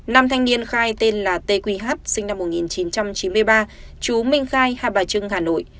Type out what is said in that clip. năm thanh niên khai tên là tê quỳ hát sinh năm một nghìn chín trăm chín mươi ba chú minh khai hà bà trưng hà nội